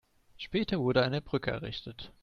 Später wurde eine Brücke errichtet.